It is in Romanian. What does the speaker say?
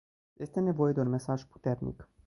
Este nevoie de un mesaj puternic.